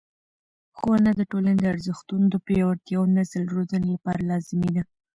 ښوونه د ټولنې د ارزښتونو د پیاوړتیا او نسل روزنې لپاره لازمي ده.